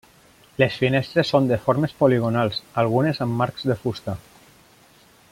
Les finestres són de formes poligonals, algunes amb marcs de fusta.